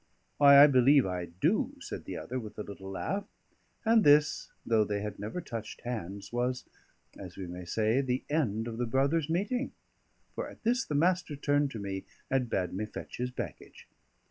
"Why, I believe I do," said the other, with a little laugh. And this, though they had never touched hands, was (as we may say) the end of the brothers' meeting; for at this the Master turned to me and bade me fetch his baggage.